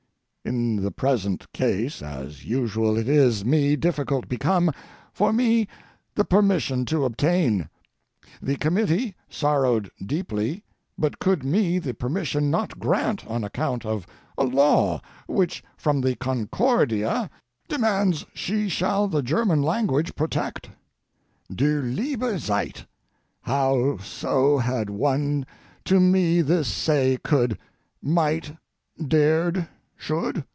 In the present case, as usual it is me difficult become, for me the permission to obtain. The committee sorrowed deeply, but could me the permission not grant on account of a law which from the Concordia demands she shall the German language protect. Du liebe Zeit! How so had one to me this say could—might—dared—should?